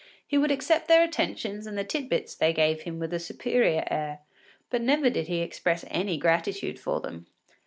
He would accept their attentions and the tit bits they gave him with a superior air, but never did he express any gratitude for them.